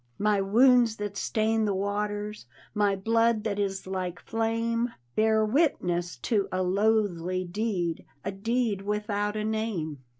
My wounds that stain the waters, My blood that is like flame, Bear witness to a loathly deed, A deed without a name.